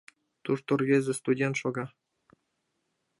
Тушто рвезе студент шога.